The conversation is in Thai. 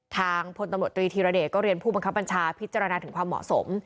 ทางพลตำรวจตรีธีรเดชก็เรียนผู้บังคับบัญชาพิจารณาถึงความเหมาะสม